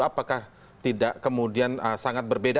apakah tidak kemudian sangat berbeda